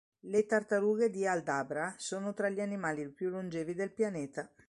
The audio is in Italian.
Le tartarughe di Aldabra sono tra gli animali più longevi del pianeta.